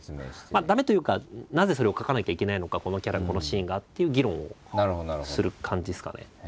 駄目というかなぜそれを描かなきゃいけないのかこのキャラこのシーンがっていう議論をする感じですかね。